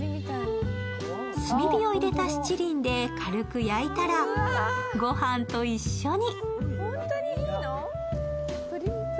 炭火を入れた七輪で軽く焼いたら、御飯と一緒に。